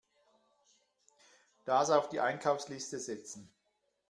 Das auf die Einkaufsliste setzen.